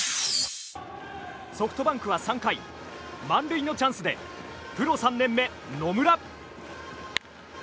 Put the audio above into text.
ソフトバンクは３回満塁のチャンスでプロ３年目、野村。